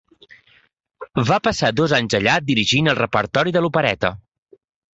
Va passar dos anys allà, dirigint el repertori de l'opereta.